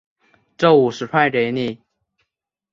这五十块给你